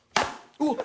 うわっ！